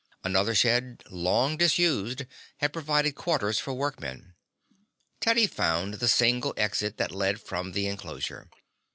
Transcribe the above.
Another shed, long disused, had provided quarters for workmen. Teddy found the single exit that led from the inclosure.